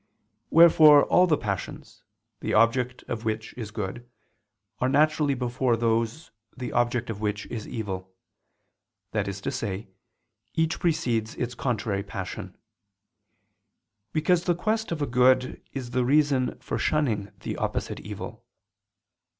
Wherefore all the passions, the object of which is good, are naturally before those, the object of which is evil that is to say, each precedes its contrary passion: because the quest of a good is the reason for shunning the opposite evil.